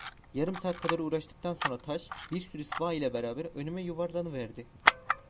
Yarım saat kadar uğraştıktan sonra taş, bir sürü sıva ile beraber, önüme yuvarlanıverdi.